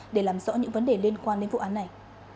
để làm rõ những vấn đề liên quan đến vụ án này